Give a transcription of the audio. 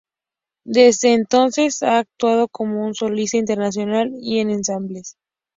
Desde entonces ha actuado como un solista internacional y en ensambles.